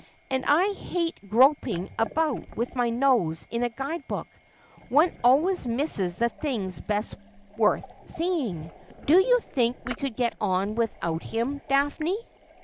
And I hate groping about with my nose in a guide book. One always misses the things best worth seeing. Do you think we could get on without him, Daphne